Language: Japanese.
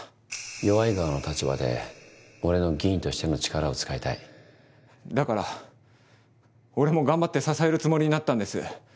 弱い側の立場で俺の議員としての力を使いだから俺も頑張って支えるつもりになったんです。